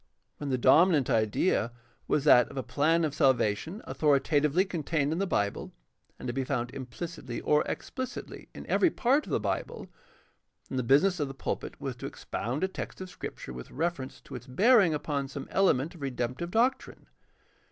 When the dominant idea was that of a plan of salvation authoritatively contained in the Bible and to be found impHcitly or expHcitly in every part of the Bible, then the business of the pulpit was to expound a text of Scrip ture with reference to its bearing upon some element of redemptive doctrine.